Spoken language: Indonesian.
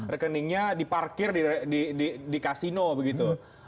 rekeningnya diparkir di kasino begitu